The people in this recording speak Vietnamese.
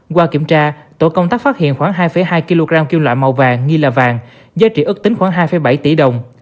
qua kiểm tra tổ công tác phát hiện khoảng hai hai kg kim loại màu vàng nghi là vàng giá trị ước tính khoảng hai bảy tỷ đồng